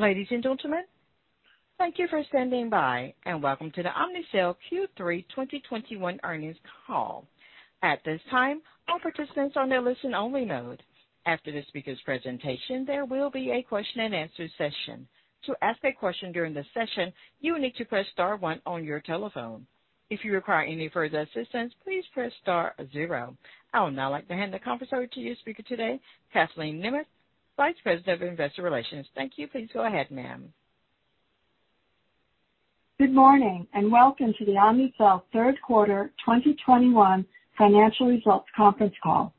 Ladies and gentlemen, thank you for standing by, and welcome to the Omnicell Q3 2021 earnings call. At this time, all participants are in a listen-only mode. After the speaker's presentation, there will be a question and answer session. To ask a question during the session, you will need to press star one on your telephone. If you require any further assistance, please press star zero. I would now like to hand the conference over to your speaker today, Kathleen Nemeth, Vice President of Investor Relations. Thank you. Please go ahead, ma'am. Good morning, and welcome to the Omnicell Q3 2021 financial results conference call.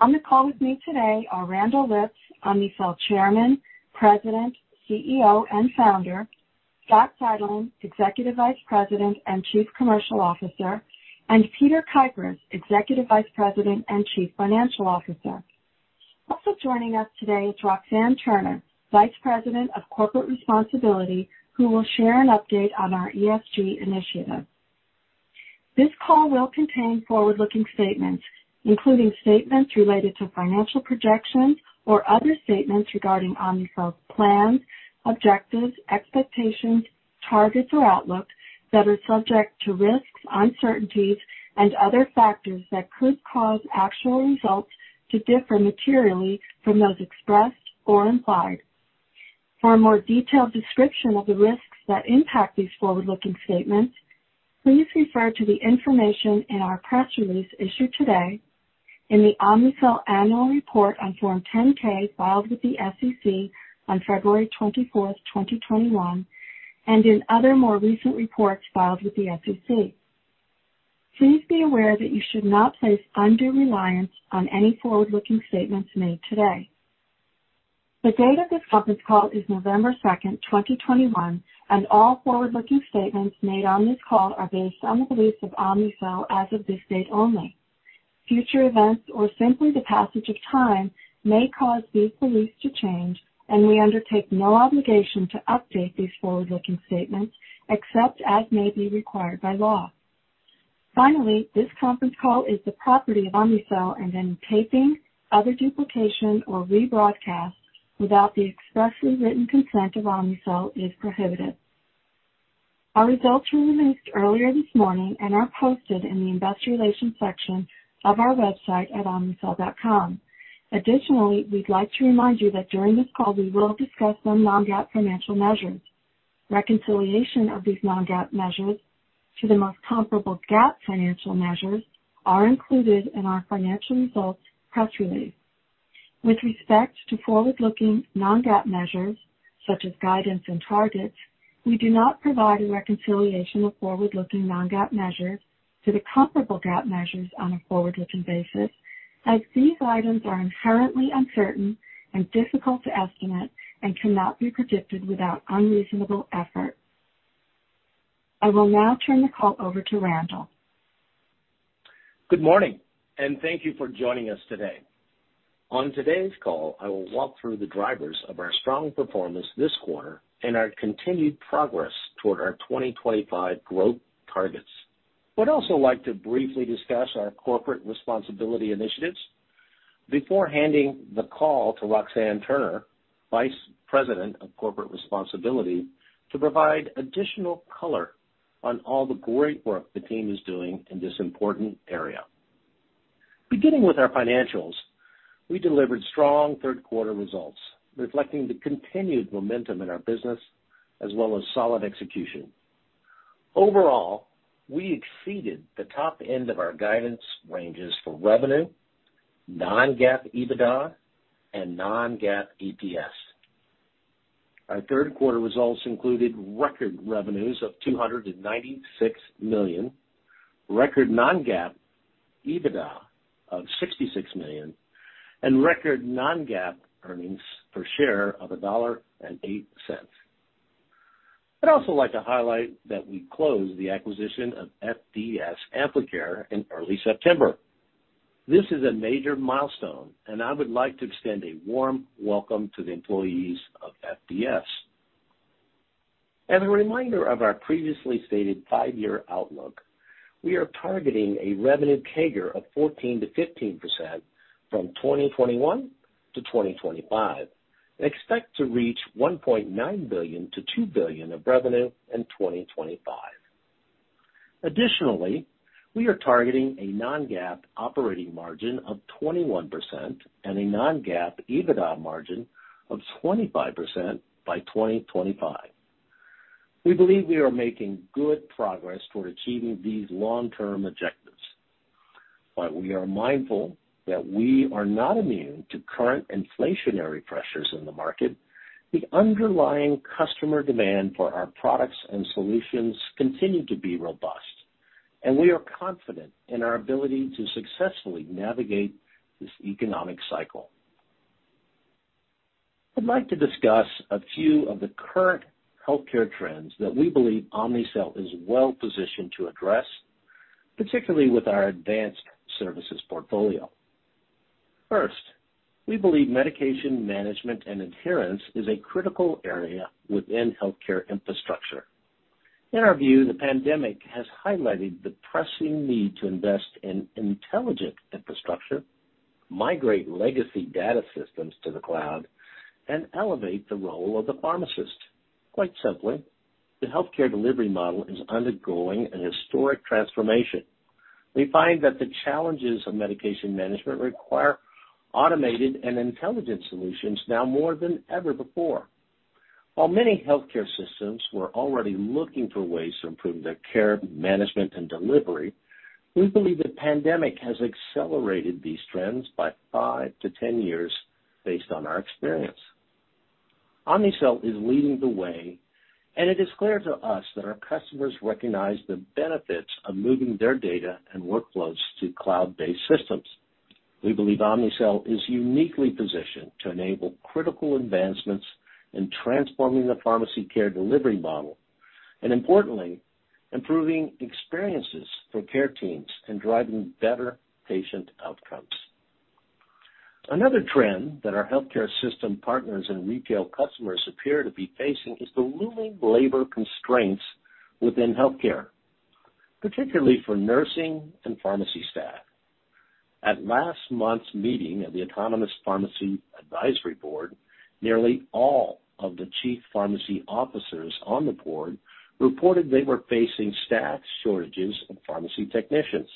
On the call with me today are Randall Lipps, Omnicell Chairman, President, CEO, and Founder. Scott Seidelmann, Executive Vice President and Chief Commercial Officer, and Peter Kuipers, Executive Vice President and Chief Financial Officer. Also joining us today is Roxanne Turner, Vice President of Corporate Responsibility, who will share an update on our ESG initiative. This call will contain forward-looking statements, including statements related to financial projections or other statements regarding Omnicell's plans, objectives, expectations, targets, or outlook that are subject to risks, uncertainties, and other factors that could cause actual results to differ materially from those expressed or implied. For a more detailed description of the risks that impact these forward-looking statements, please refer to the information in our press release issued today in the Omnicell Annual Report on Form 10-K filed with the SEC on February 24, 2021, and in other more recent reports filed with the SEC. Please be aware that you should not place undue reliance on any forward-looking statements made today. The date of this conference call is November 2, 2021, and all forward-looking statements made on this call are based on the beliefs of Omnicell as of this date only. Future events or simply the passage of time may cause these beliefs to change, and we undertake no obligation to update these forward-looking statements except as may be required by law. Finally, this conference call is the property of Omnicell and any taping, other duplication, or rebroadcast without the expressly written consent of Omnicell is prohibited. Our results were released earlier this morning and are posted in the investor relations section of our website at omnicell.com. Additionally, we'd like to remind you that during this call we will discuss some non-GAAP financial measures. Reconciliation of these non-GAAP measures to the most comparable GAAP financial measures are included in our financial results press release. With respect to forward-looking non-GAAP measures, such as guidance and targets, we do not provide a reconciliation of forward-looking non-GAAP measures to the comparable GAAP measures on a forward-looking basis, as these items are inherently uncertain and difficult to estimate and cannot be predicted without unreasonable effort. I will now turn the call over to Randall. Good morning, and thank you for joining us today. On today's call, I will walk through the drivers of our strong performance this quarter and our continued progress toward our 2025 growth targets. I'd also like to briefly discuss our corporate responsibility initiatives before handing the call to Roxanne Turner, Vice President of Corporate Responsibility, to provide additional color on all the great work the team is doing in this important area. Beginning with our financials, we delivered strong Q3 results, reflecting the continued momentum in our business as well as solid execution. Overall, we exceeded the top end of our guidance ranges for revenue, non-GAAP EBITDA, and non-GAAP EPS. Our Q3 results included record revenues of $296 million, record non-GAAP EBITDA of $66 million, and record non-GAAP earnings per share of $1.08. I'd also like to highlight that we closed the acquisition of FDS Amplicare in early September. This is a major milestone, and I would like to extend a warm welcome to the employees of FDS. As a reminder of our previously stated five-year outlook, we are targeting a revenue CAGR of 14%-15% from 2021 to 2025 and expect to reach $1.9 billion-$2 billion of revenue in 2025. Additionally, we are targeting a non-GAAP operating margin of 21% and a non-GAAP EBITDA margin of 25% by 2025. We believe we are making good progress toward achieving these long-term objectives. While we are mindful that we are not immune to current inflationary pressures in the market, the underlying customer demand for our products and solutions continue to be robust, and we are confident in our ability to successfully navigate this economic cycle. I'd like to discuss a few of the current healthcare trends that we believe Omnicell is well positioned to address, particularly with our advanced services portfolio. First, we believe medication management and adherence is a critical area within healthcare infrastructure. In our view, the pandemic has highlighted the pressing need to invest in intelligent infrastructure, migrate legacy data systems to the cloud, and elevate the role of the pharmacist. Quite simply, the healthcare delivery model is undergoing an historic transformation. We find that the challenges of medication management require automated and intelligent solutions now more than ever before. While many healthcare systems were already looking for ways to improve their care management and delivery, we believe the pandemic has accelerated these trends by 5-10 years based on our experience. Omnicell is leading the way, and it is clear to us that our customers recognize the benefits of moving their data and workflows to cloud-based systems. We believe Omnicell is uniquely positioned to enable critical advancements in transforming the pharmacy care delivery model, and importantly, improving experiences for care teams and driving better patient outcomes. Another trend that our healthcare system partners and retail customers appear to be facing is the looming labor constraints within healthcare, particularly for nursing and pharmacy staff. At last month's meeting of the Autonomous Pharmacy Advisory Board, nearly all of the chief pharmacy officers on the board reported they were facing staff shortages of pharmacy technicians.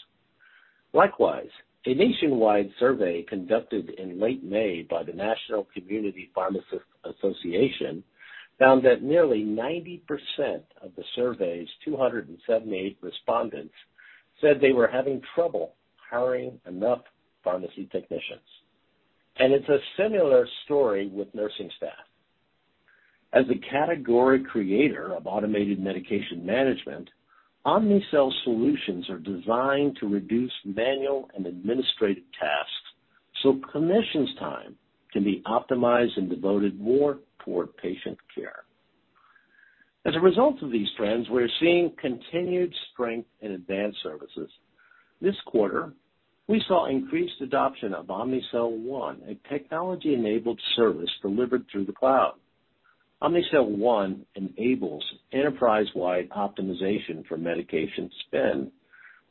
Likewise, a nationwide survey conducted in late May by the National Community Pharmacists Association found that nearly 90% of the survey's 278 respondents said they were having trouble hiring enough pharmacy technicians. It's a similar story with nursing staff. As the category creator of automated medication management, Omnicell solutions are designed to reduce manual and administrative tasks so clinicians' time can be optimized and devoted more toward patient care. As a result of these trends, we're seeing continued strength in advanced services. This quarter, we saw increased adoption of Omnicell One, a technology-enabled service delivered through the cloud. Omnicell One enables enterprise-wide optimization for medication spend,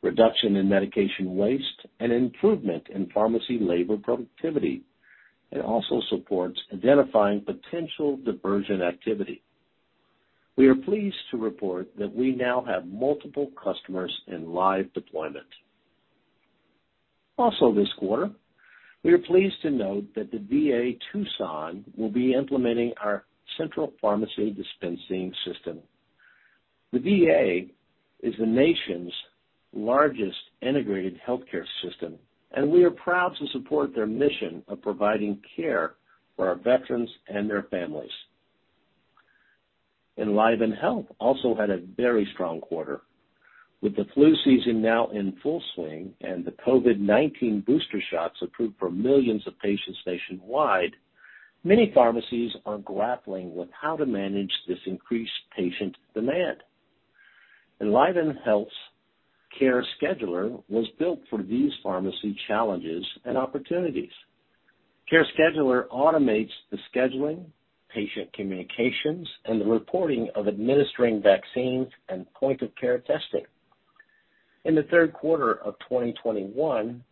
reduction in medication waste, and improvement in pharmacy labor productivity. It also supports identifying potential diversion activity. We are pleased to report that we now have multiple customers in live deployment. Also this quarter, we are pleased to note that the VA Tucson will be implementing our central pharmacy dispensing system. The VA is the nation's largest integrated healthcare system, and we are proud to support their mission of providing care for our veterans and their families. EnlivenHealth also had a very strong quarter. With the flu season now in full swing and the COVID-19 booster shots approved for millions of patients nationwide, many pharmacies are grappling with how to manage this increased patient demand. EnlivenHealth's CareScheduler was built for these pharmacy challenges and opportunities. CareScheduler automates the scheduling, patient communications, and the reporting of administering vaccines and point of care testing. In the Q3 of 2021,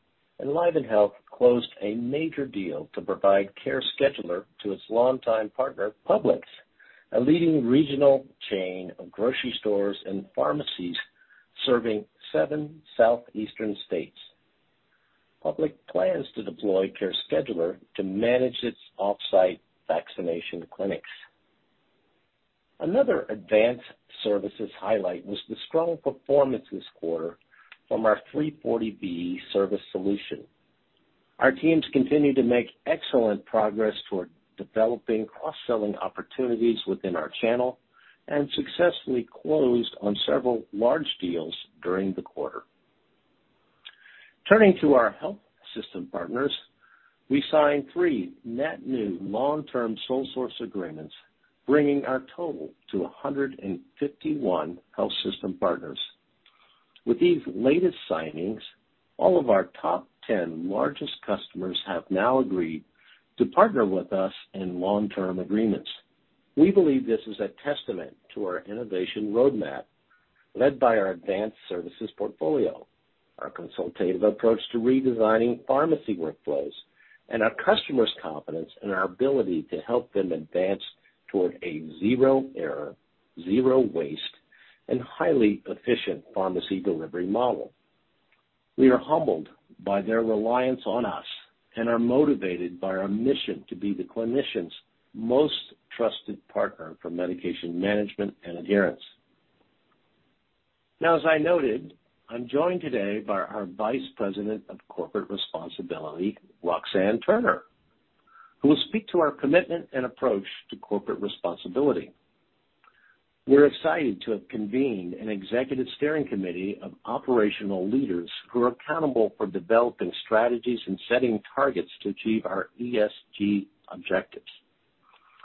EnlivenHealth closed a major deal to provide CareScheduler to its longtime partner, Publix, a leading regional chain of grocery stores and pharmacies serving seven southeastern states. Publix plans to deploy CareScheduler to manage its off-site vaccination clinics. Another advanced services highlight was the strong performance this quarter from our 340B service solution. Our teams continued to make excellent progress toward developing cross-selling opportunities within our channel and successfully closed on several large deals during the quarter. Turning to our health system partners, we signed 3 net new long-term sole source agreements, bringing our total to 151 health system partners. With these latest signings, all of our top 10 largest customers have now agreed to partner with us in long-term agreements. We believe this is a testament to our innovation roadmap led by our advanced services portfolio, our consultative approach to redesigning pharmacy workflows, and our customers' confidence in our ability to help them advance toward a zero error, zero waste, and highly efficient pharmacy delivery model. We are humbled by their reliance on us and are motivated by our mission to be the clinician's most trusted partner for medication management and adherence. Now, as I noted, I'm joined today by our Vice President of Corporate Responsibility, Roxanne Turner, who will speak to our commitment and approach to corporate responsibility. We're excited to have convened an executive steering committee of operational leaders who are accountable for developing strategies and setting targets to achieve our ESG objectives.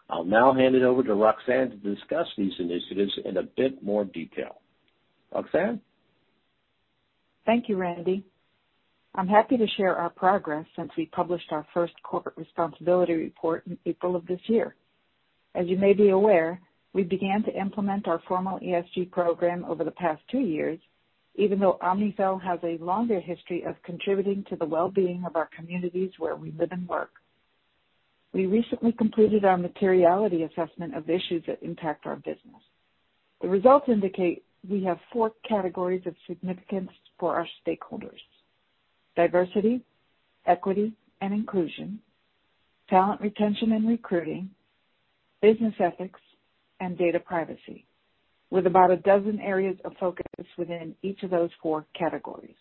I'll now hand it over to Roxanne to discuss these initiatives in a bit more detail. Roxanne? Thank you, Randy. I'm happy to share our progress since we published our first corporate responsibility report in April of this year. As you may be aware, we began to implement our formal ESG program over the past two years, even though Omnicell has a longer history of contributing to the well-being of our communities where we live and work. We recently completed our materiality assessment of issues that impact our business. The results indicate we have four categories of significance for our stakeholders: diversity, equity, and inclusion, talent retention and recruiting, business ethics, and data privacy, with about a dozen areas of focus within each of those four categories.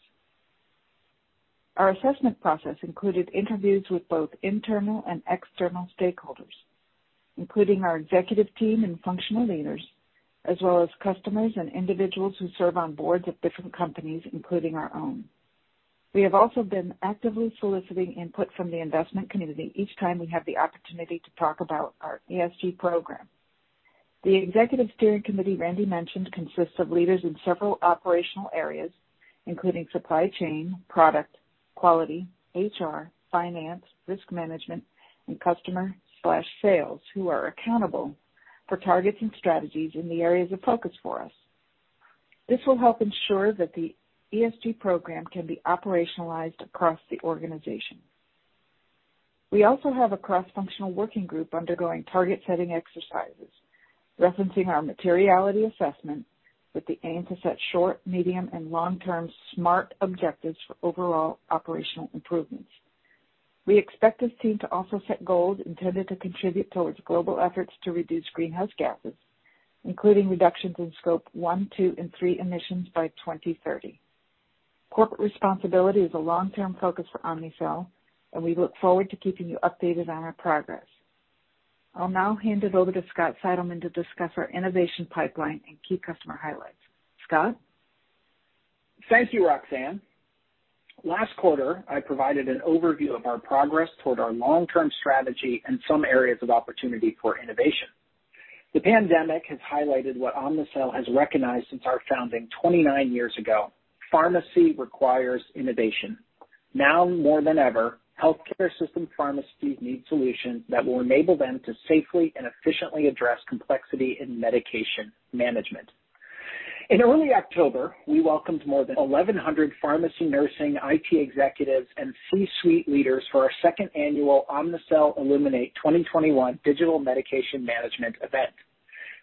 Our assessment process included interviews with both internal and external stakeholders, including our executive team and functional leaders, as well as customers and individuals who serve on boards of different companies, including our own. We have also been actively soliciting input from the investment community each time we have the opportunity to talk about our ESG program. The executive steering committee Randy mentioned consists of leaders in several operational areas, including supply chain, product, quality, HR, finance, risk management, and customer/sales, who are accountable for targets and strategies in the areas of focus for us. This will help ensure that the ESG program can be operationalized across the organization. We also have a cross-functional working group undergoing target setting exercises, referencing our materiality assessment with the aim to set short, medium, and long-term smart objectives for overall operational improvements. We expect this team to also set goals intended to contribute towards global efforts to reduce greenhouse gases, including reductions in Scope 1, 2, and 3 emissions by 2030. Corporate responsibility is a long-term focus for Omnicell, and we look forward to keeping you updated on our progress. I'll now hand it over to Scott Seidelmann to discuss our innovation pipeline and key customer highlights. Scott? Thank you, Roxanne. Last quarter, I provided an overview of our progress toward our long-term strategy and some areas of opportunity for innovation. The pandemic has highlighted what Omnicell has recognized since our founding 29 years ago. Pharmacy requires innovation. Now more than ever, healthcare system pharmacies need solutions that will enable them to safely and efficiently address complexity in medication management. In early October, we welcomed more than 1,100 pharmacy nursing IT executives and C-suite leaders for our second annual Omnicell Illuminate 2021 digital medication management event.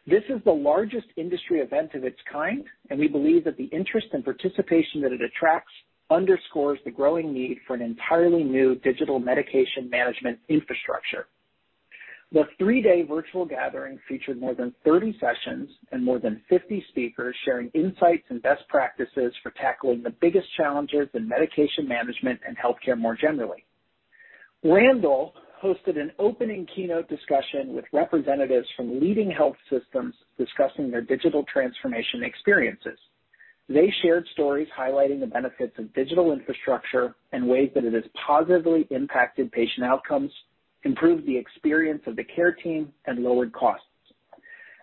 This is the largest industry event of its kind, and we believe that the interest and participation that it attracts underscores the growing need for an entirely new digital medication management infrastructure. The three-day virtual gathering featured more than 30 sessions and more than 50 speakers sharing insights and best practices for tackling the biggest challenges in medication management and healthcare more generally. Randall hosted an opening keynote discussion with representatives from leading health systems discussing their digital transformation experiences. They shared stories highlighting the benefits of digital infrastructure and ways that it has positively impacted patient outcomes, improved the experience of the care team, and lowered costs.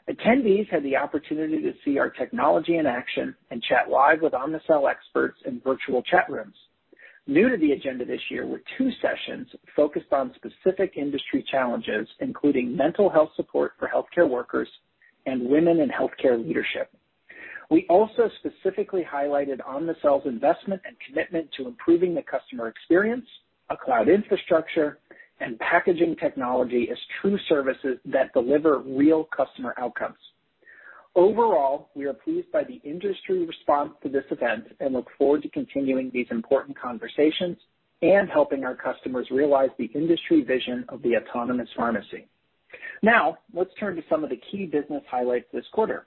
Attendees had the opportunity to see our technology in action and chat live with Omnicell experts in virtual chat rooms. New to the agenda this year were two sessions focused on specific industry challenges, including mental health support for healthcare workers and women in healthcare leadership. We also specifically highlighted Omnicell's investment and commitment to improving the customer experience, a cloud infrastructure, and packaging technology as true services that deliver real customer outcomes. Overall, we are pleased by the industry response to this event and look forward to continuing these important conversations and helping our customers realize the industry vision of the Autonomous Pharmacy. Now, let's turn to some of the key business highlights this quarter.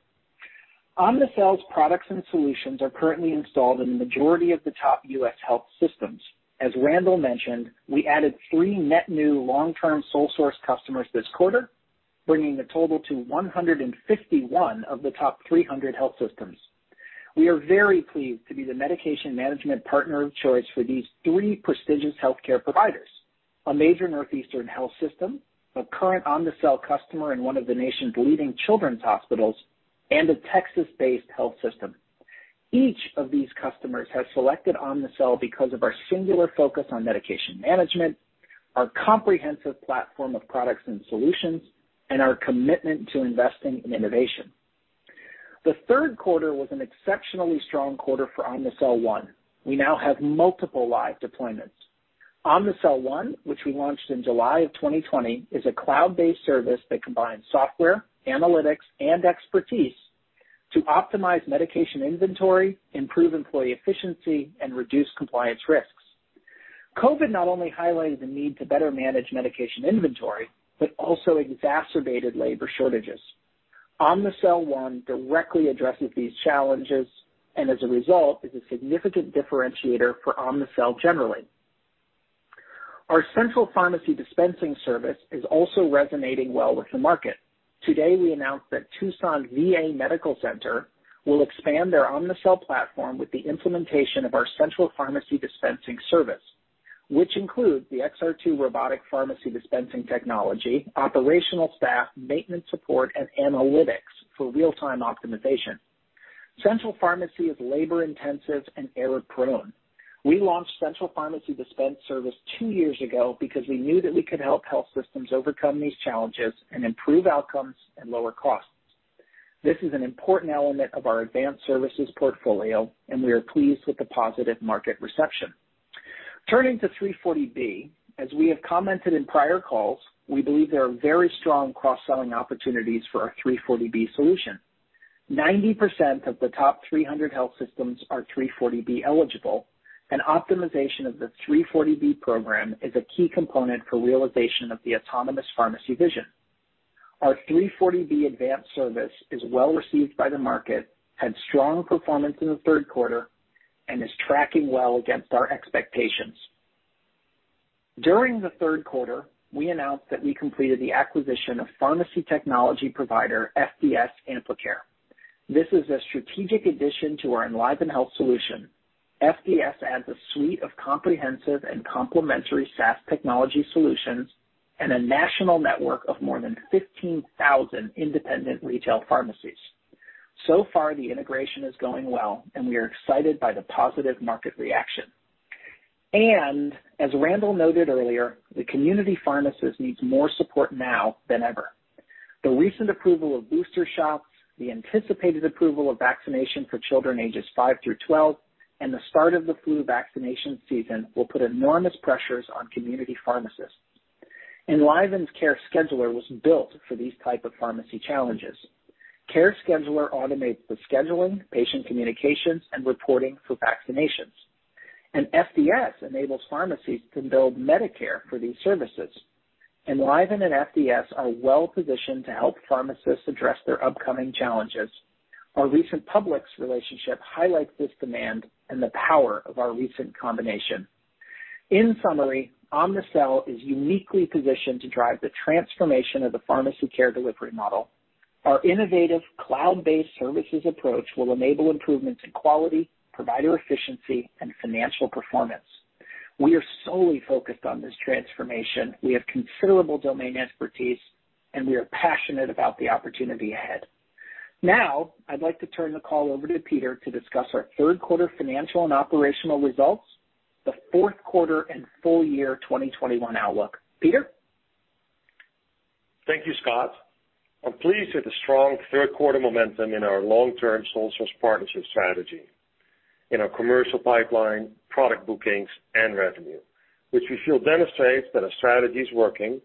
Omnicell's products and solutions are currently installed in the majority of the top U.S. health systems. As Randall mentioned, we added three net new long-term sole source customers this quarter, bringing the total to 151 of the top 300 health systems. We are very pleased to be the medication management partner of choice for these three prestigious healthcare providers, a major northeastern health system, a current Omnicell customer in one of the nation's leading children's hospitals, and a Texas-based health system. Each of these customers has selected Omnicell because of our singular focus on medication management, our comprehensive platform of products and solutions, and our commitment to investing in innovation. The Q3 was an exceptionally strong quarter for Omnicell One. We now have multiple live deployments. Omnicell One, which we launched in July 2020, is a cloud-based service that combines software, analytics, and expertise to optimize medication inventory, improve employee efficiency, and reduce compliance risks. COVID-19 not only highlighted the need to better manage medication inventory, but also exacerbated labor shortages. Omnicell One directly addresses these challenges and as a result, is a significant differentiator for Omnicell generally. Our Central Pharmacy Dispensing Service is also resonating well with the market. Today, we announced that Tucson VA Medical Center will expand their Omnicell platform with the implementation of our Central Pharmacy Dispensing Service, which includes the XR2 robotic pharmacy dispensing technology, operational staff, maintenance support, and analytics for real-time optimization. Central pharmacy is labor-intensive and error-prone. We launched Central Pharmacy Dispensing Service two years ago because we knew that we could help health systems overcome these challenges and improve outcomes and lower costs. This is an important element of our advanced services portfolio, and we are pleased with the positive market reception. Turning to 340B. As we have commented in prior calls, we believe there are very strong cross-selling opportunities for our 340B solution. 90% of the top 300 health systems are 340B eligible, and optimization of the 340B program is a key component for realization of the Autonomous Pharmacy vision. Our 340B advanced service is well received by the market, had strong performance in the Q3, and is tracking well against our expectations. During the Q3, we announced that we completed the acquisition of pharmacy technology provider FDS Amplicare. This is a strategic addition to our EnlivenHealth solution. FDS adds a suite of comprehensive and complementary SaaS technology solutions and a national network of more than 15,000 independent retail pharmacies. So far, the integration is going well, and we are excited by the positive market reaction. As Randall noted earlier, the community pharmacist needs more support now than ever. The recent approval of booster shots, the anticipated approval of vaccination for children ages 5 through 12, and the start of the flu vaccination season will put enormous pressures on community pharmacists. EnlivenHealth's CareScheduler was built for these type of pharmacy challenges. CareScheduler automates the scheduling, patient communications, and reporting for vaccinations, and FDS enables pharmacies to bill Medicare for these services. EnlivenHealth and FDS are well-positioned to help pharmacists address their upcoming challenges. Our recent Publix relationship highlights this demand and the power of our recent combination. In summary, Omnicell is uniquely positioned to drive the transformation of the pharmacy care delivery model. Our innovative cloud-based services approach will enable improvements in quality, provider efficiency, and financial performance. We are solely focused on this transformation. We have considerable domain expertise, and we are passionate about the opportunity ahead. Now, I'd like to turn the call over to Peter to discuss our Q3 financial and operational results, the Q4 and full year 2021 outlook. Peter. Thank you, Scott. I'm pleased with the strong Q3 momentum in our long-term sole source partnership strategy in our commercial pipeline, product bookings, and revenue, which we feel demonstrates that our strategy is working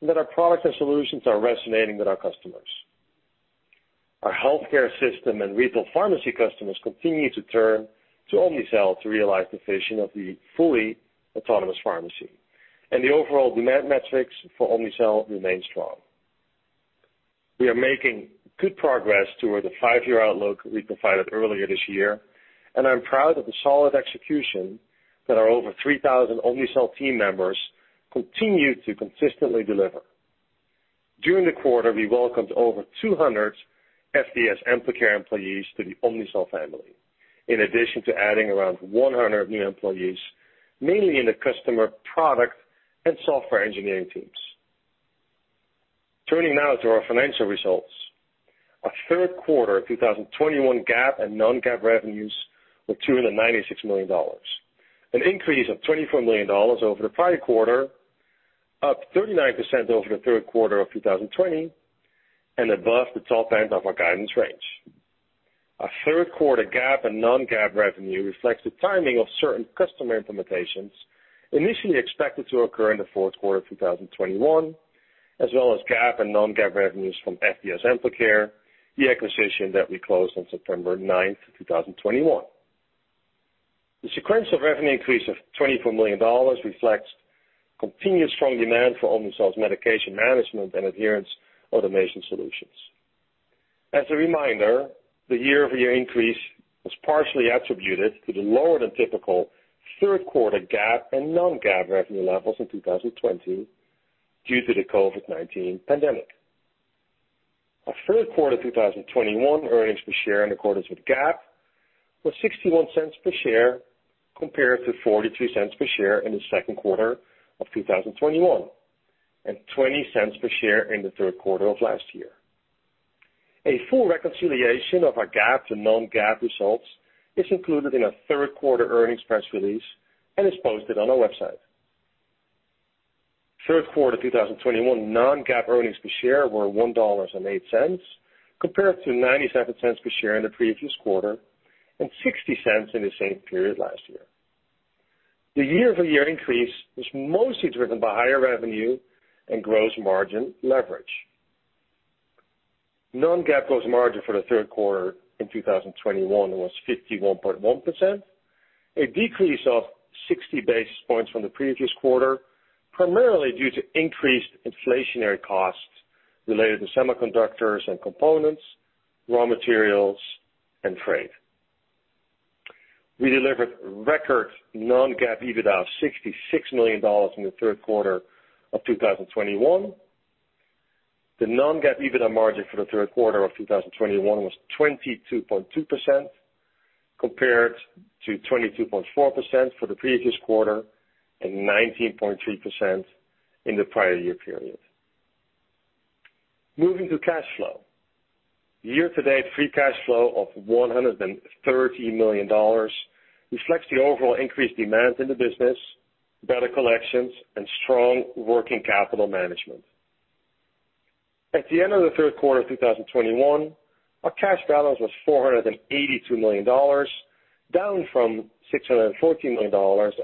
and that our products and solutions are resonating with our customers. Our healthcare system and retail pharmacy customers continue to turn to Omnicell to realize the vision of the fully Autonomous Pharmacy, and the overall demand metrics for Omnicell remain strong. We are making good progress toward the five-year outlook we provided earlier this year, and I'm proud of the solid execution that our over 3,000 Omnicell team members continue to consistently deliver. During the quarter, we welcomed over 200 FDS Amplicare employees to the Omnicell family, in addition to adding around 100 new employees, mainly in the customer, product, and software engineering teams. Turning now to our financial results. Our Q3 2021 GAAP and non-GAAP revenues were $296 million, an increase of $24 million over the prior quarter, up 39% over the Q3 of 2020, and above the top end of our guidance range. Our Q3 GAAP and non-GAAP revenue reflects the timing of certain customer implementations initially expected to occur in the Q4 of 2021, as well as GAAP and non-GAAP revenues from FDS Amplicare, the acquisition that we closed on September 9, 2021. The sequential revenue increase of $24 million reflects continued strong demand for Omnicell's medication management and adherence automation solutions. As a reminder, the year-over-year increase was partially attributed to the lower than typical Q3 GAAP and non-GAAP revenue levels in 2020 due to the COVID-19 pandemic. Our Q3 2021 earnings per share in accordance with GAAP was $0.61 per share compared to $0.43 per share in the Q2 of 2021 and $0.20 per share in the Q3 of last year. A full reconciliation of our GAAP to non-GAAP results is included in our Q3 earnings press release and is posted on our website. Q3 2021 non-GAAP earnings per share were $1.08 compared to $0.97 per share in the previous quarter and $0.60 in the same period last year. The year-over-year increase was mostly driven by higher revenue and gross margin leverage. Non-GAAP gross margin for the Q3 in 2021 was 51.1%, a decrease of 60 basis points from the previous quarter, primarily due to increased inflationary costs related to semiconductors and components, raw materials and freight. We delivered record non-GAAP EBITDA of $66 million in the Q3 of 2021. The non-GAAP EBITDA margin for the Q3 of 2021 was 22.2% compared to 22.4% for the previous quarter and 19.3% in the prior year period. Moving to cash flow. Year-to-date free cash flow of $130 million reflects the overall increased demand in the business, better collections, and strong working capital management. At the end of the Q3 of 2021, our cash balance was $482 million, down from $614 million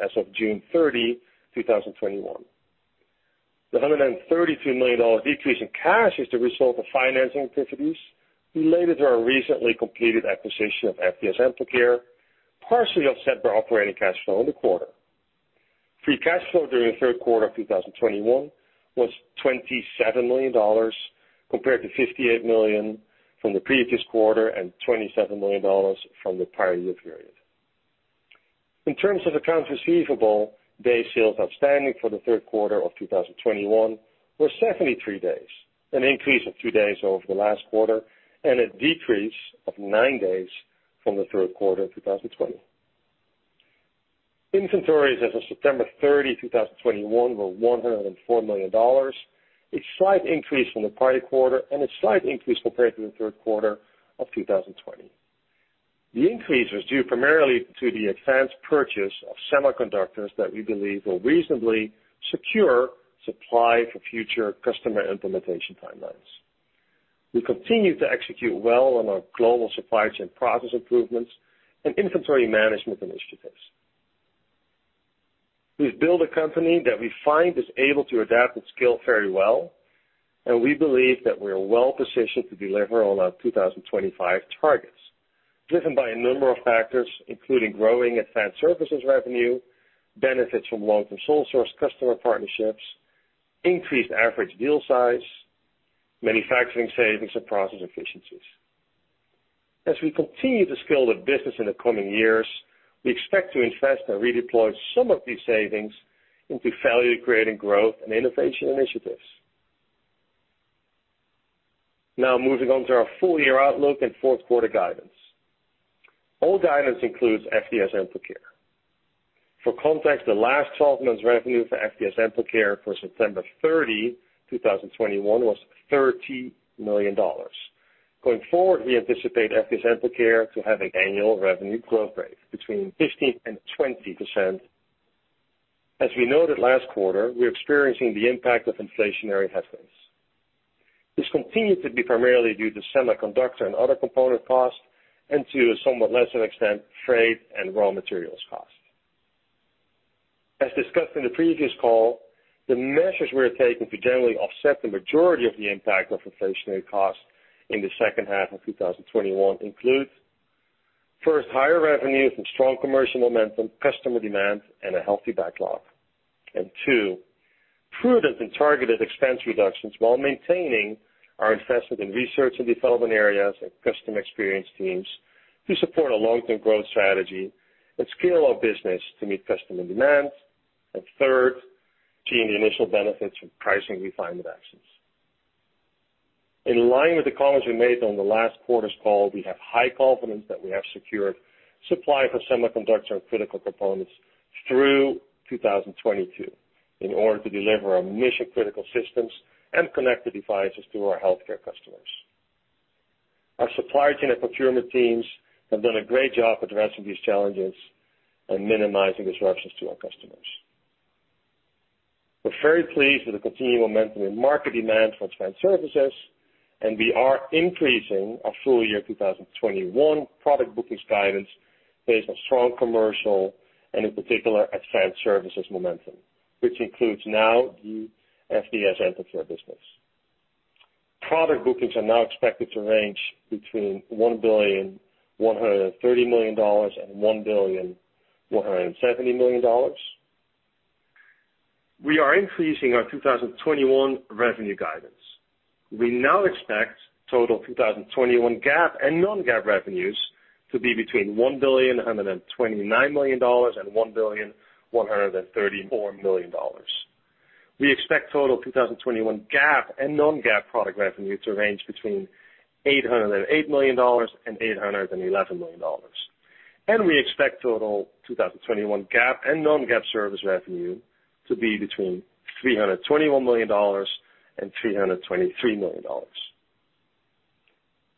as of June 30, 2021. The $132 million decrease in cash is the result of financing activities related to our recently completed acquisition of FDS Amplicare, partially offset by operating cash flow in the quarter. Free cash flow during the Q3 of 2021 was $27 million, compared to $58 million from the previous quarter and $27 million from the prior year period. In terms of accounts receivable, day sales outstanding for the Q3 of 2021 were 73 days, an increase of 2 days over the last quarter and a decrease of 9 days from the Q3 of 2020. Inventories as of September 30, 2021, were $104 million, a slight increase from the prior quarter and a slight increase compared to the Q3 of 2020. The increase was due primarily to the advanced purchase of semiconductors that we believe will reasonably secure supply for future customer implementation timelines. We continue to execute well on our global supply chain process improvements and inventory management initiatives. We've built a company that we find is able to adapt and scale very well, and we believe that we are well-positioned to deliver on our 2025 targets, driven by a number of factors, including growing advanced services revenue, benefits from long-term sole source customer partnerships, increased average deal size, manufacturing savings, and process efficiencies. As we continue to scale the business in the coming years, we expect to invest and redeploy some of these savings into value-creating growth and innovation initiatives. Now moving on to our full-year outlook and Q4 guidance. All guidance includes FDS Amplicare. For context, the last twelve months revenue for FDS Amplicare for September 30, 2021, was $30 million. Going forward, we anticipate FDS Amplicare to have an annual revenue growth rate between 15% and 20%. As we noted last quarter, we're experiencing the impact of inflationary headwinds. This continues to be primarily due to semiconductor and other component costs and, to a somewhat lesser extent, freight and raw materials costs. As discussed in the previous call, the measures we are taking to generally offset the majority of the impact of inflationary costs in the second half of 2021 include, first, higher revenues and strong commercial momentum, customer demand, and a healthy backlog. Two, prudent and targeted expense reductions while maintaining our investment in research and development areas and customer experience teams to support a long-term growth strategy and scale our business to meet customer demands. Third, seeing the initial benefits from pricing refinement actions. In line with the comments we made on the last quarter's call, we have high confidence that we have secured supply for semiconductor and critical components through 2022 in order to deliver our mission-critical systems and connected devices to our healthcare customers. Our supply chain and procurement teams have done a great job addressing these challenges and minimizing disruptions to our customers. We're very pleased with the continued momentum in market demand for advanced services, and we are increasing our full-year 2021 product bookings guidance based on strong commercial and in particular, advanced services momentum, which includes now the FDS Amplicare business. Product bookings are now expected to range between $1.13 billion and $1.17 billion. We are increasing our 2021 revenue guidance. We now expect total 2021 GAAP and non-GAAP revenues to be between $1.129 billion and $1.134 billion. We expect total 2021 GAAP and non-GAAP product revenue to range between $808 million and $811 million. We expect total 2021 GAAP and non-GAAP service revenue to be between $321 million and $323 million.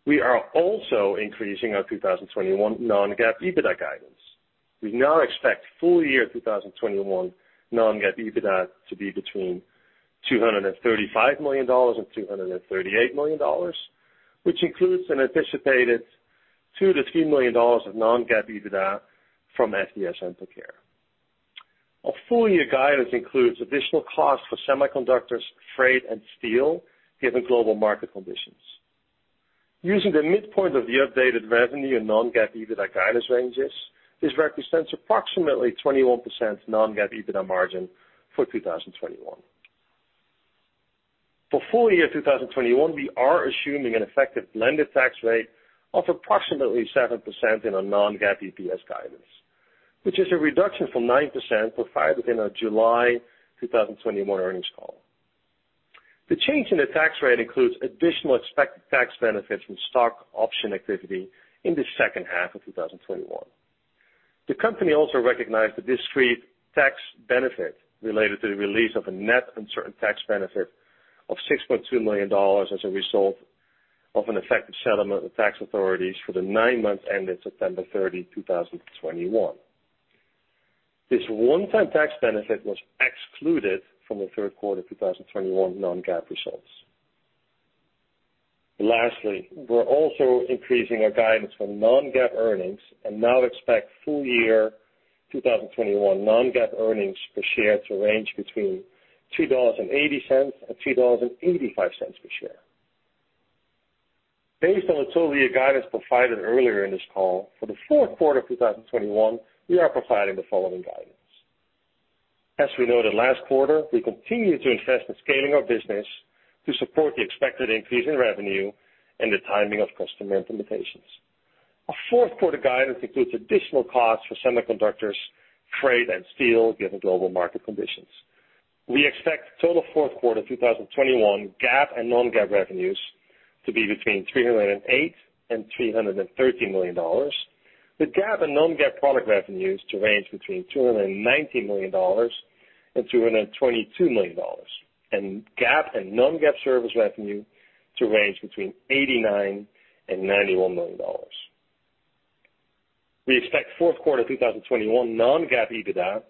We are also increasing our 2021 non-GAAP EBITDA guidance. We now expect full year 2021 non-GAAP EBITDA to be between $235 million and $238 million, which includes an anticipated $2 million-$3 million of non-GAAP EBITDA from FDS Amplicare. Our full-year guidance includes additional costs for semiconductors, freight, and steel, given global market conditions. Using the midpoint of the updated revenue and non-GAAP EBITDA guidance ranges, this represents approximately 21% non-GAAP EBITDA margin for 2021. For full year 2021, we are assuming an effective blended tax rate of approximately 7% in our non-GAAP EPS guidance, which is a reduction from 9% provided in our July 2021 earnings call. The change in the tax rate includes additional expected tax benefits from stock option activity in the second half of 2021. The company also recognized the discrete tax benefit related to the release of a net uncertain tax benefit of $6.2 million as a result of an effective settlement with tax authorities for the nine months ended September 30, 2021. This one-time tax benefit was excluded from the Q3 2021 non-GAAP results. Lastly, we're also increasing our guidance for non-GAAP earnings and now expect full year 2021 non-GAAP earnings per share to range between $2.80 and $2.85 per share. Based on the full year guidance provided earlier in this call, for the Q4 of 2021, we are providing the following guidance. As we noted last quarter, we continue to invest in scaling our business to support the expected increase in revenue and the timing of customer implementations. Our Q4 guidance includes additional costs for semiconductors, freight, and steel, given global market conditions. We expect total Q4 2021 GAAP and non-GAAP revenues to be between $308 million and $330 million. The GAAP and non-GAAP product revenues to range between $290 million and $222 million. GAAP and non-GAAP service revenue to range between $89 million and $91 million. We expect Q4 2021 non-GAAP EBITDA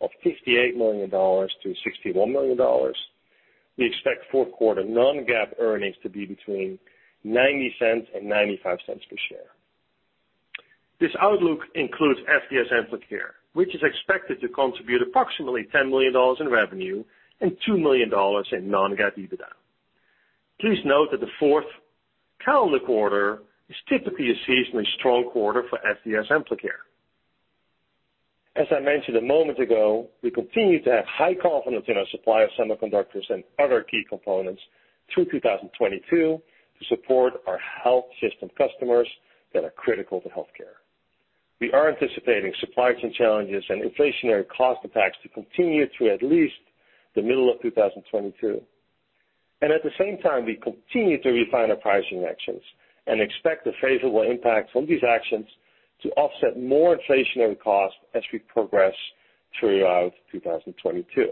of $58 million to $61 million. We expect Q4 non-GAAP earnings to be between $0.90 and $0.95 per share. This outlook includes FDS Amplicare, which is expected to contribute approximately $10 million in revenue and $2 million in non-GAAP EBITDA. Please note that the fourth calendar quarter is typically a seasonally strong quarter for FDS Amplicare. As I mentioned a moment ago, we continue to have high confidence in our supply of semiconductors and other key components through 2022 to support our health system customers that are critical to healthcare. We are anticipating supply chain challenges and inflationary cost impacts to continue through at least the middle of 2022. At the same time, we continue to refine our pricing actions and expect the favorable impact from these actions to offset more inflationary costs as we progress throughout 2022.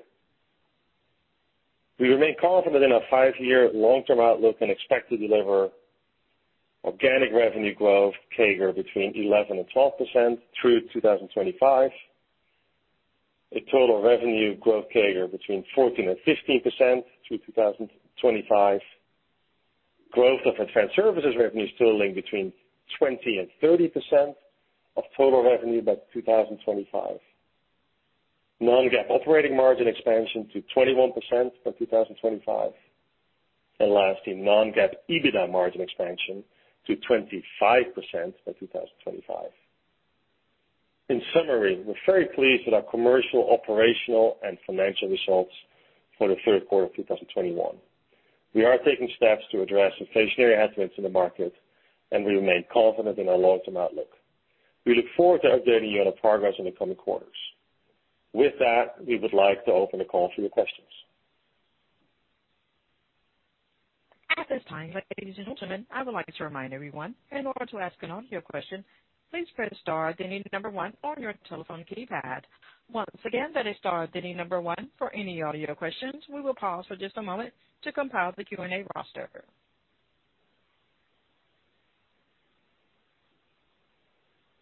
We remain confident in our five-year long-term outlook and expect to deliver organic revenue growth CAGR between 11%-12% through 2025. A total revenue growth CAGR between 14%-15% through 2025. Growth of advanced services revenues totaling between 20%-30% of total revenue by 2025. Non-GAAP operating margin expansion to 21% by 2025. Lastly, non-GAAP EBITDA margin expansion to 25% by 2025. In summary, we're very pleased with our commercial, operational, and financial results for the Q3 of 2021. We are taking steps to address inflationary headwinds in the market, and we remain confident in our long-term outlook. We look forward to updating you on our progress in the coming quarters. With that, we would like to open the call for your questions. At this time, ladies and gentlemen, I would like to remind everyone, in order to ask an audio question, please press star, then the number one on your telephone keypad. Once again, that is star, then the number one for any audio questions. We will pause for just a moment to compile the Q&A roster.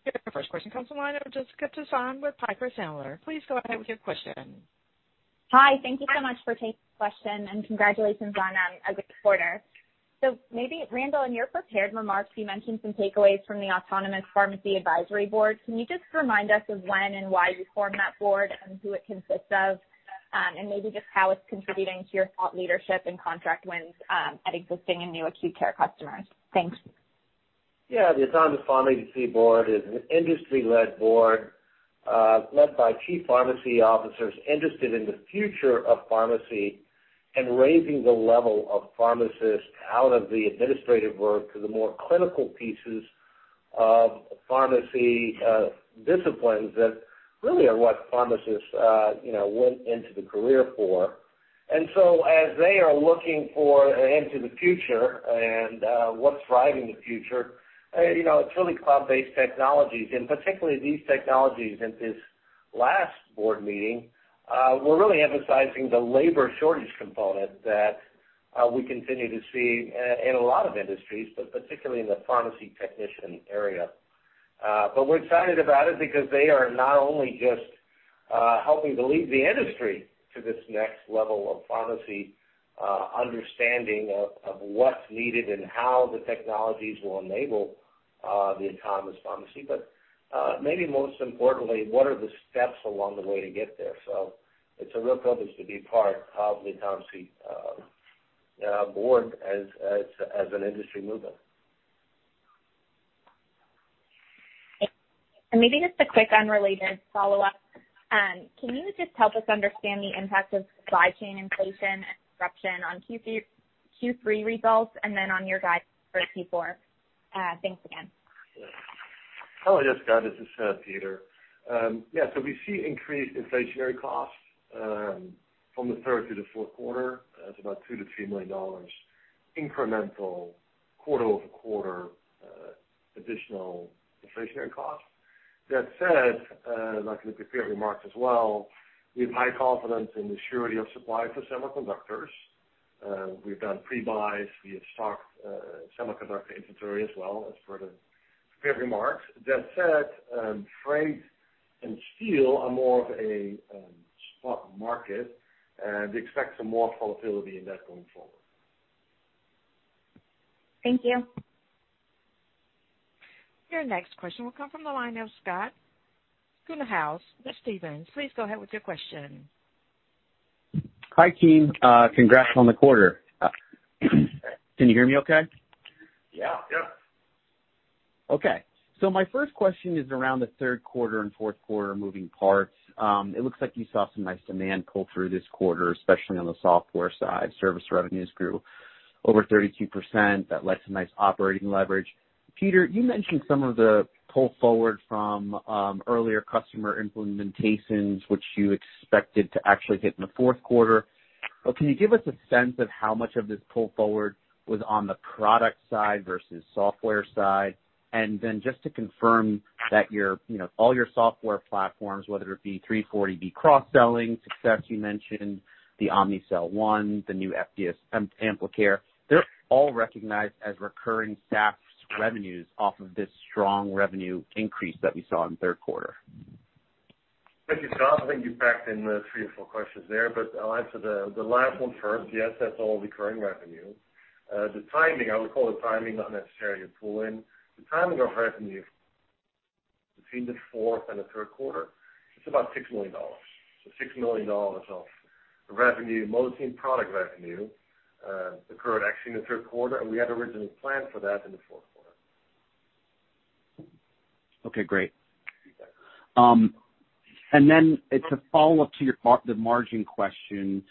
Your first question comes from the line of Jessica Tassan with Piper Sandler. Please go ahead with your question. Hi. Thank you so much for taking the question and congratulations on a good quarter. Maybe, Randall, in your prepared remarks, you mentioned some takeaways from the Autonomous Pharmacy Advisory Board. Can you just remind us of when and why you formed that board and who it consists of? Maybe just how it's contributing to your thought leadership and contract wins at existing and new acute care customers? Thanks. Yeah. The Autonomous Pharmacy Board is an industry-led board, led by chief pharmacy officers interested in the future of pharmacy and raising the level of pharmacists out of the administrative work to the more clinical pieces of pharmacy, disciplines that really are what pharmacists, you know, went into the career for. As they are looking into the future and, what's driving the future, you know, it's really cloud-based technologies, and particularly these technologies in this last board meeting, we're really emphasizing the labor shortage component that, we continue to see in a lot of industries, but particularly in the pharmacy technician area. We're excited about it because they are not only just helping to lead the industry to this next level of pharmacy understanding of what's needed and how the technologies will enable the Autonomous Pharmacy. Maybe most importantly, what are the steps along the way to get there? It's a real privilege to be part of the Autonomy board as an industry movement. Maybe just a quick unrelated follow-up. Can you just help us understand the impact of supply chain inflation and disruption on Q3 results and then on your guide for Q4? Thanks again. Oh, yes. Scott, this is Peter. Yeah, we see increased inflationary costs from the third to the Q4. That's about $2 million-$3 million incremental quarter over quarter additional inflationary costs. That said, like Randall here remarked as well, we have high confidence in the surety of supply for semiconductors. We've done pre-buys. We have stocked semiconductor inventory as well as per the prepared remarks. That said, freight and steel are more of a spot market, and we expect some more volatility in that going forward. Thank you. Your next question will come from the line of Scott Schoenhaus at Stephens Inc.. Please go ahead with your question. Hi, team. Congrats on the quarter. Can you hear me okay? Yeah. Yeah. Okay. My first question is around the Q3 and Q4 moving parts. It looks like you saw some nice demand pull through this quarter, especially on the software side. Service revenues grew over 32%. That led to nice operating leverage. Peter, you mentioned some of the pull forward from earlier customer implementations which you expected to actually hit in the Q4. Can you give us a sense of how much of this pull forward was on the product side versus software side? Then just to confirm that your, you know, all your software platforms, whether it be 340B cross-selling success, you mentioned the Omnicell One, the new FDS Amplicare, they're all recognized as recurring SaaS revenues off of this strong revenue increase that we saw in the Q3. Thank you, Scott. I think you packed in the three or four questions there, but I'll answer the last one first. Yes, that's all recurring revenue. The timing, I would call the timing not necessarily a pull-in. The timing of revenue between the fourth and the Q3, it's about $6 million. So $6 million of revenue, Omnicell product revenue, occurred actually in the Q3, and we had originally planned for that in the Q4. Okay, great. It's a follow-up to your margin question.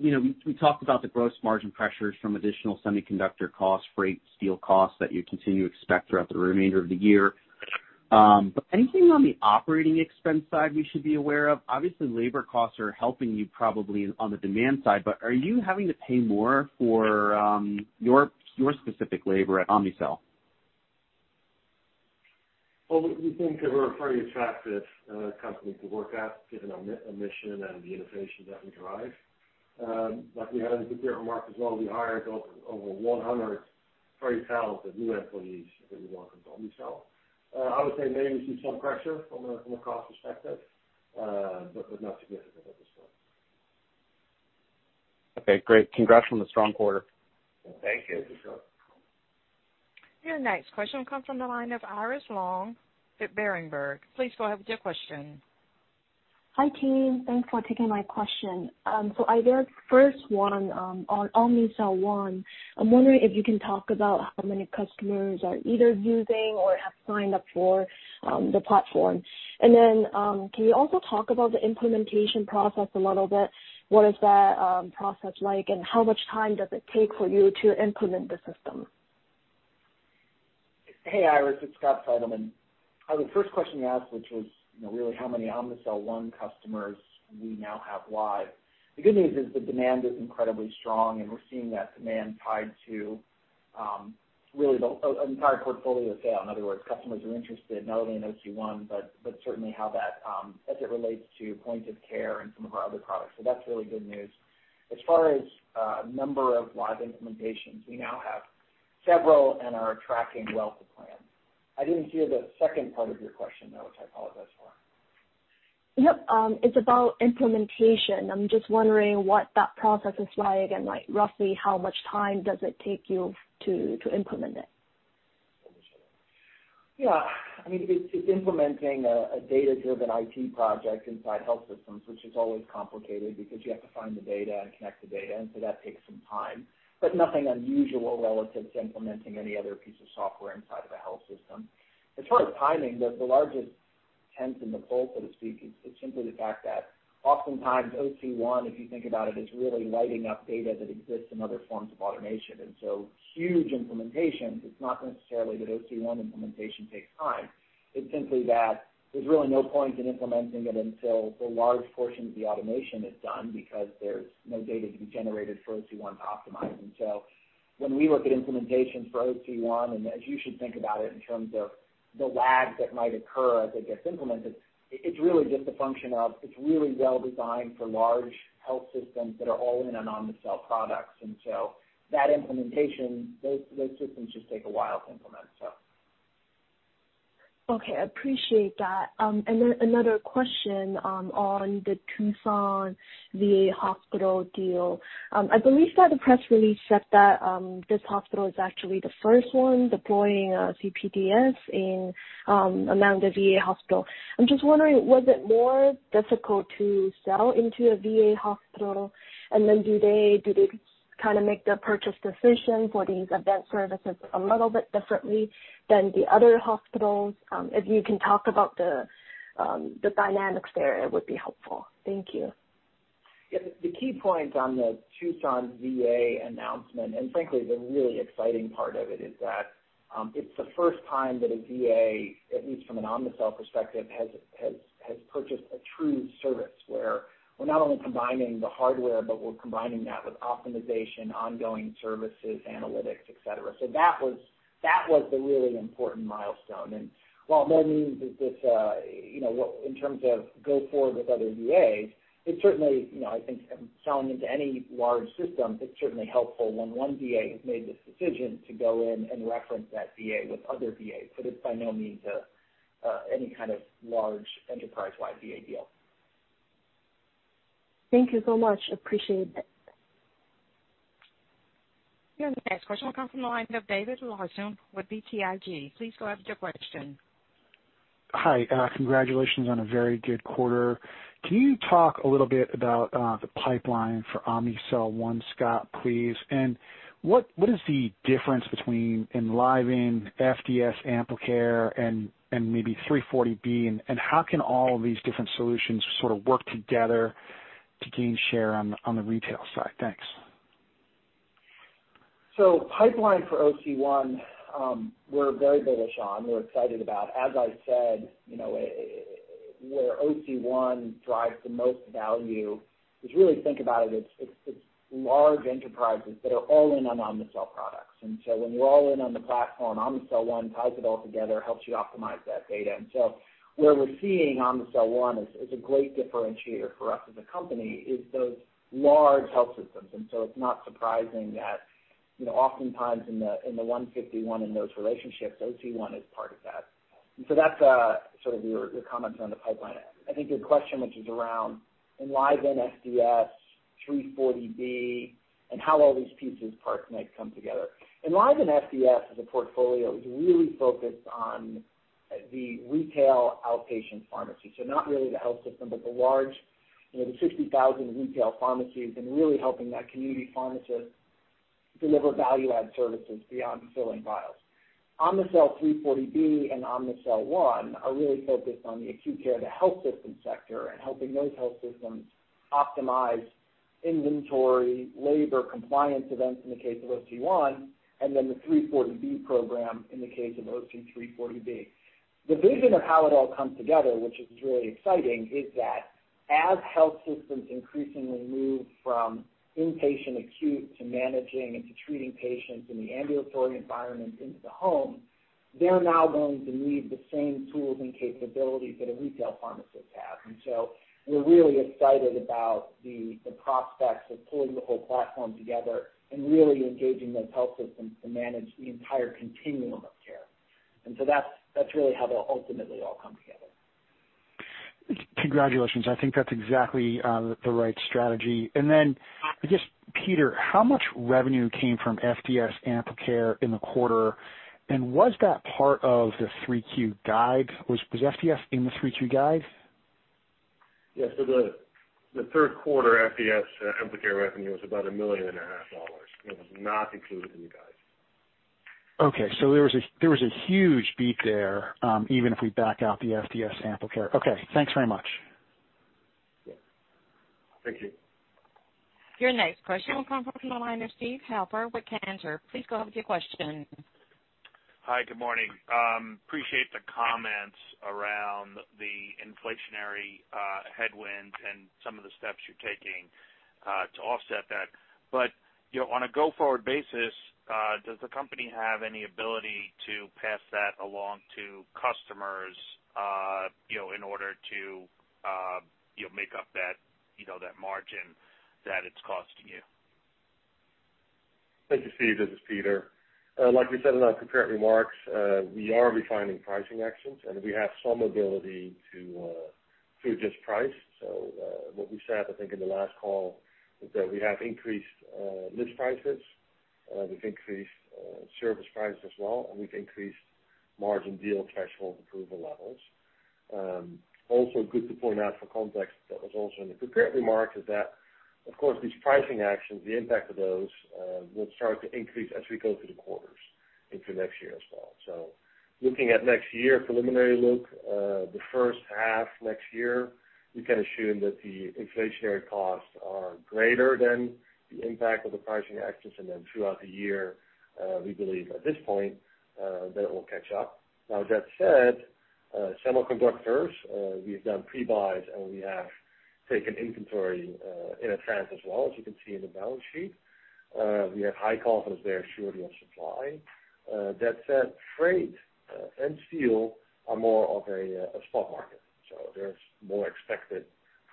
You know, we talked about the gross margin pressures from additional semiconductor costs, freight, steel costs that you continue to expect throughout the remainder of the year. Anything on the operating expense side we should be aware of? Obviously, labor costs are helping you probably on the demand side, but are you having to pay more for your specific labor at Omnicell? Well, we think that we're a very attractive company to work at, given our mission and the innovation that we drive. Like we had in the prepared remarks as well, we hired over 130 new employees that we welcomed on Omnicell. I would say maybe we see some pressure from a cost perspective, but not significant at this point. Okay, great. Congrats on the strong quarter. Thank you. Your next question will come from the line of Iris Long at Berenberg Capital Markets. Please go ahead with your question. Hi, team. Thanks for taking my question. I guess first one, on Omnicell One, I'm wondering if you can talk about how many customers are either using or have signed up for the platform. Can you also talk about the implementation process a little bit? What is that process like, and how much time does it take for you to implement the system? Hey, Iris, it's Scott Seidelmann. The first question you asked, which was, you know, really how many Omnicell One customers we now have live. The good news is the demand is incredibly strong, and we're seeing that demand tied to really the entire portfolio of sales. In other words, customers are interested not only in Omnicell One, but certainly how that as it relates to point of care and some of our other products. So that's really good news. As far as number of live implementations, we now have several and are tracking well to plan. I didn't hear the second part of your question, though, which I apologize for. Yep. It's about implementation. I'm just wondering what that process is like and, like, roughly how much time does it take you to implement it? Yeah. I mean, it's implementing a data-driven IT project inside health systems, which is always complicated because you have to find the data and connect the data, and so that takes some time. Nothing unusual relative to implementing any other piece of software inside of a health system. As far as timing, the largest tentpole, so to speak, is simply the fact that oftentimes OC-1, if you think about it, is really lighting up data that exists in other forms of automation. Huge implementations, it's not necessarily that OC-1 implementation takes time. It's simply that there's really no point in implementing it until the large portion of the automation is done because there's no data to be generated for OC-1 to optimize. When we look at implementations for Omnicell One, as you should think about it in terms of the lag that might occur as it gets implemented, it's really just a function of it. It's really well designed for large health systems that are all in on Omnicell products. That implementation, those systems just take a while to implement. Okay, I appreciate that. Another question on the Tucson VA Hospital deal. I believe that the press release said that this hospital is actually the first one deploying CPDS among the VA hospital. I'm just wondering, was it more difficult to sell into a VA hospital? Do they kinda make their purchase decision for these event services a little bit differently than the other hospitals? If you can talk about the dynamics there, it would be helpful. Thank you. Yeah, the key point on the Tucson VA announcement, and frankly, the really exciting part of it, is that it's the first time that a VA, at least from an Omnicell perspective, has purchased a true service where we're not only combining the hardware, but we're combining that with optimization, ongoing services, analytics, et cetera. So that was the really important milestone. While that means that this, you know, in terms of going forward with other VAs, it certainly, you know, I think selling into any large system, it's certainly helpful when one VA has made this decision to go in and reference that VA with other VAs. It's by no means any kind of large enterprise-wide VA deal. Thank you so much. Appreciate it. Your next question will come from the line of David Larsen with BTIG. Please go ahead with your question. Hi, congratulations on a very good quarter. Can you talk a little bit about the pipeline for Omnicell One, Scott, please? What is the difference between EnlivenHealth, FDS Amplicare and maybe 340B? How can all of these different solutions sort of work together to gain share on the retail side? Thanks. Pipeline for OC1, we're very bullish on. We're excited about. As I said, where OC1 drives the most value is really think about it's large enterprises that are all in on Omnicell products. When you're all in on the platform, Omnicell One ties it all together, helps you optimize that data. Where we're seeing Omnicell One is a great differentiator for us as a company is those large health systems. It's not surprising that oftentimes in the Omnicell One in those relationships, OC1 is part of that. That's sort of your comments on the pipeline. I think your question, which is around EnlivenHealth FDS, 340B and how all these pieces, parts might come together. Enliven FDS as a portfolio is really focused on the retail outpatient pharmacy. Not really the health system, but the large, you know, the 60,000 retail pharmacies and really helping that community pharmacist deliver value add services beyond filling vials. Omnicell 340B and Omnicell One are really focused on the acute care, the health system sector, and helping those health systems optimize inventory, labor compliance events in the case of OC1, and then the 340B program in the case of OC 340B. The vision of how it all comes together, which is really exciting, is that as health systems increasingly move from inpatient acute to managing and to treating patients in the ambulatory environment into the home, they're now going to need the same tools and capabilities that a retail pharmacist has. We're really excited about the prospects of pulling the whole platform together and really engaging those health systems to manage the entire continuum of care. That's really how they'll ultimately all come together. Congratulations. I think that's exactly the right strategy. Then just Peter, how much revenue came from FDS Amplicare in the quarter, and was that part of the 3Q guide? Was FDS in the 3Q guide? Yes. The Q3 FDS Amplicare revenue was about $1.5 million. It was not included in the guide. Okay. There was a huge beat there, even if we back out the FDS Amplicare. Okay, thanks very much. Yeah. Thank you. Your next question will come from the line of Steven Halper with Cantor Fitzgerald. Please go ahead with your question. Hi. Good morning. Appreciate the comments around the inflationary headwinds and some of the steps you're taking to offset that. You know, on a go-forward basis, does the company have any ability to pass that along to customers, you know, in order to, you know, make up that, you know, that margin that it's costing you? Thank you, Steve. This is Peter. Like we said in our prepared remarks, we are refining pricing actions, and we have some ability to adjust price. What we said, I think, in the last call is that we have increased list prices, we've increased service prices as well, and we've increased margin deal threshold approval levels. Also good to point out for context that was also in the prepared remarks, is that of course these pricing actions, the impact of those will start to increase as we go through the quarters into next year as well. Looking at next year, preliminary look, the first half next year, we can assume that the inflationary costs are greater than the impact of the pricing actions. Throughout the year, we believe at this point that it will catch up. Now with that said, semiconductors, we've done pre-buys, and we have taken inventory in advance as well, as you can see in the balance sheet. We have high confidence there shortly of supply. That said, freight and steel are more of a spot market, so there's more expected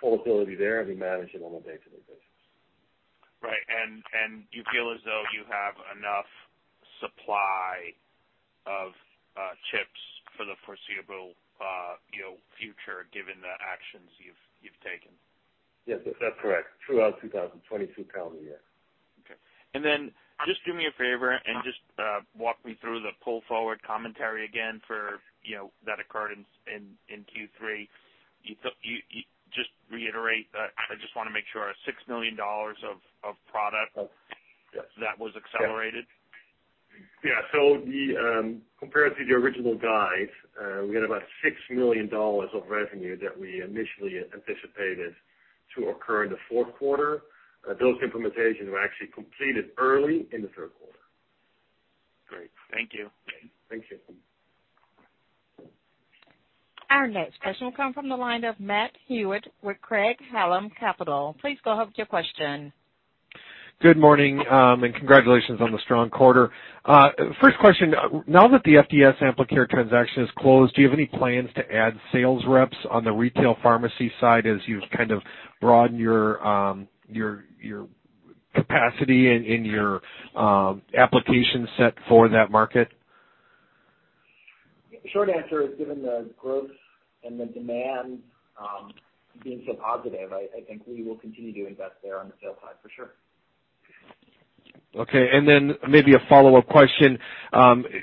volatility there, and we manage it on a day-to-day basis. Right. You feel as though you have enough supply of chips for the foreseeable, you know, future given the actions you've taken? Yes, that's correct. Throughout 2022 calendar year. Okay. Then just do me a favor and just walk me through the pull forward commentary again for, you know, that occurred in Q3. You just reiterate, I just want to make sure, $6 million of product- Oh, yes. That was accelerated? Compared to the original guide, we had about $6 million of revenue that we initially anticipated to occur in the Q4. Those implementations were actually completed early in the Q3. Great. Thank you. Thank you. Our next question will come from the line of Matthew Hewitt with Craig-Hallum Capital Group Please go ahead with your question. Good morning, and congratulations on the strong quarter. First question, now that the FDS Amplicare transaction is closed, do you have any plans to add sales reps on the retail pharmacy side as you kind of broaden your capacity in your application set for that market? Short answer is, given the growth and the demand being so positive, I think we will continue to invest there on the sales side for sure. Okay. Maybe a follow-up question.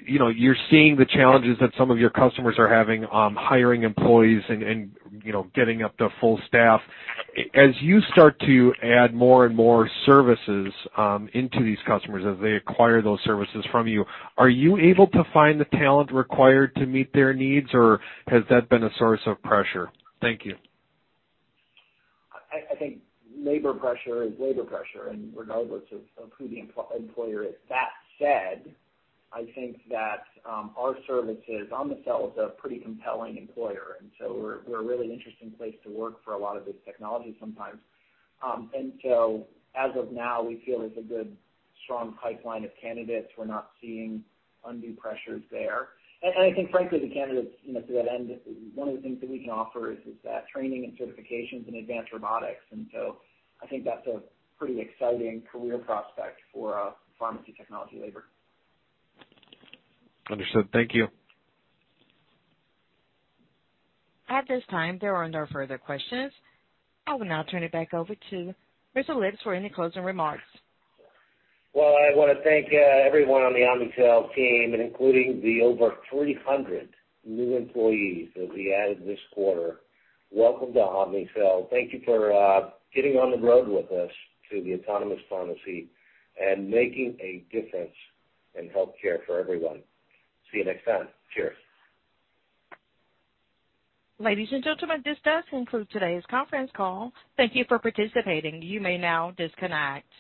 You know, you're seeing the challenges that some of your customers are having, hiring employees and you know, getting up to full staff. As you start to add more and more services into these customers as they acquire those services from you, are you able to find the talent required to meet their needs, or has that been a source of pressure? Thank you. I think labor pressure is labor pressure regardless of who the employer is. That said, I think that our service solutions are a pretty compelling employer. We're a really interesting place to work for a lot of these technologists. As of now, we feel there's a good strong pipeline of candidates. We're not seeing undue pressures there. I think frankly, the candidates, you know, to that end, one of the things that we can offer is that training and certifications in advanced robotics. I think that's a pretty exciting career prospect for pharmacy technologists. Understood. Thank you. At this time, there are no further questions. I will now turn it back over to Randall Lipps for any closing remarks. Well, I want to thank everyone on the Omnicell team, including the over 300 new employees that we added this quarter. Welcome to Omnicell. Thank you for getting on the road with us to the Autonomous Pharmacy and making a difference in healthcare for everyone. See you next time. Cheers. Ladies and gentlemen, this does conclude today's conference call. Thank you for participating. You may now disconnect.